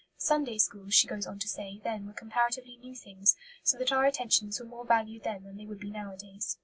"Sunday schools," she goes on to say, "then were comparatively new things, so that our attentions were more valued then than they would be nowadays."